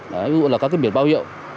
ví dụ là các biển báo hiệu